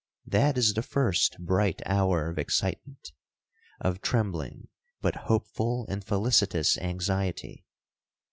That is the first bright hour of excitement, of trembling, but hopeful and felicitous anxiety.